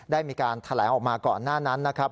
ได้มีการแถลงออกมาก่อนหน้านั้นนะครับ